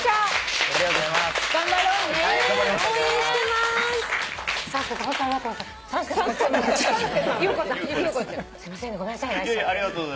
すいませんねごめんなさいね。